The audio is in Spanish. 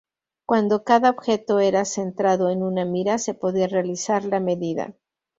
Cuando cada objeto era centrado en una mira se podía realizar la medida.